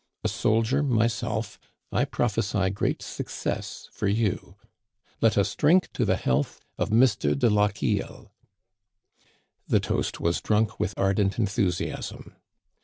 A soldier myself, I prophesy great success for you. Let us drink to the health of Mr. de Lochiel !" The toast was drunk with ardent enthusiasm.